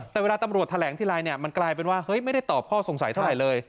แต่เวลาตำรวจแถลงทีไรเนี่ยมันกลายเป็นว่าเฮ้ยไม่ได้ตอบข้อสงสัยเท่าไหร่เลย